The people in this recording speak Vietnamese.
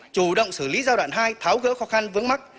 chủ động xử lý giai đoạn hai tháo gỡ khó khăn vướng mắt